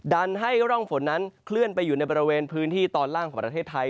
ให้ร่องฝนนั้นเคลื่อนไปอยู่ในบริเวณพื้นที่ตอนล่างของประเทศไทย